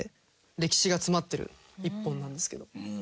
歴史が詰まっている一本なんですけど。